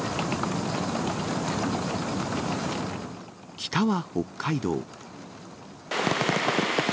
北は北海道。